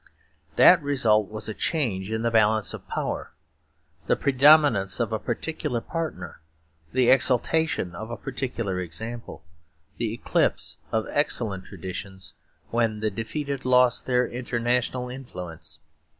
That result was a change in the balance of power, the predominance of a particular partner, the exaltation of a particular example, the eclipse of excellent traditions when the defeated lost their international influence.